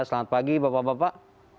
selamat pagi bapak bapak